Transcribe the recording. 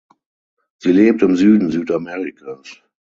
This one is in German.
Sie lebt im Süden Südamerikas.